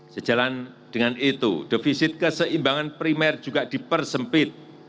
sejalan dengan itu defisit keseimbangan primer juga dipersempit